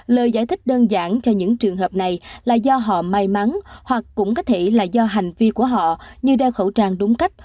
lời giải thích đơn giản cho những trường hợp này là do họ may mắn hoặc cũng có thể là do hành vi của họ như đeo khẩu trang đúng cách